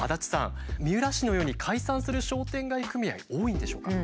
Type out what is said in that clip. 三浦市のように解散する商店街組合多いんでしょうか？